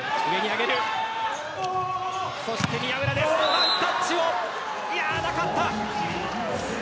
ワンタッチなかった。